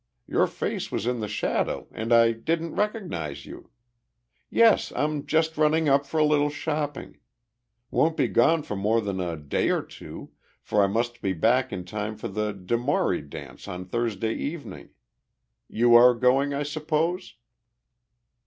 Your face was in the shadow and I didn't recognize you. Yes, I'm just running up for a little shopping. Won't be gone for more than a day or two, for I must be back in time for the de Maury dance on Thursday evening. You are going, I suppose?"